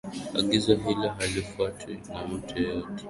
Agizo hilo halifwatwi na mtu yeyote